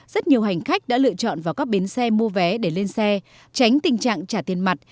rất nhiều hành khách đã lựa chọn vào các bến xe mua vé để lên xe tránh tình trạng trả tiền mặt